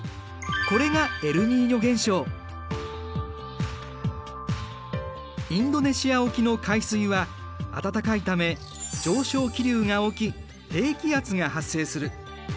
これがインドネシア沖の海水は温かいため上昇気流が起き低気圧が発生する。